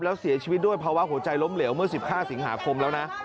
แล้วเสียชีวิตด้วยภาวะหัวใจล้มเหลวเมื่อ๑๕สิงหาคมแล้วนะ